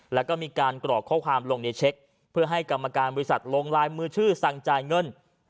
แล้วก็มีการกรอกข้อความลงในเช็คเพื่อให้กรรมการบริษัทลงลายมือชื่อสั่งจ่ายเงิน